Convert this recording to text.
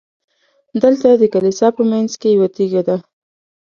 دلته د کلیسا په منځ کې یوه تیږه ده.